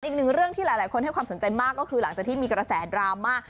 อีกหนึ่งเรื่องที่หลายคนให้ความสนใจมากก็คือหลังจากที่มีกระแสดราม่า